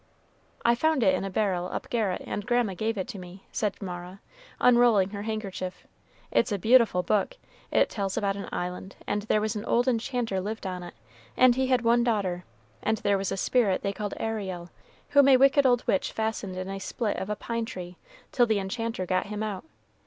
"I found it in a barrel up garret, and grandma gave it to me," said Mara, unrolling her handkerchief; "it's a beautiful book, it tells about an island, and there was an old enchanter lived on it, and he had one daughter, and there was a spirit they called Ariel, whom a wicked old witch fastened in a split of a pine tree, till the enchanter got him out.